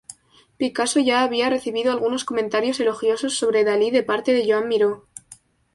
Picasso ya había recibido algunos comentarios elogiosos sobre Dalí de parte de Joan Miró.